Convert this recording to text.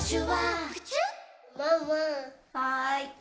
はい。